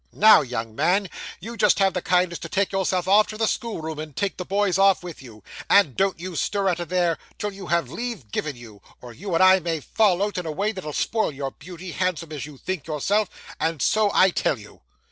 Now, young man, you just have the kindness to take yourself off to the schoolroom, and take the boys off with you, and don't you stir out of there till you have leave given you, or you and I may fall out in a way that'll spoil your beauty, handsome as you think yourself, and so I tell you.